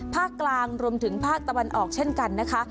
ภาคกลางรวมถึงภาคตะวันออกเช่นกันนะคะ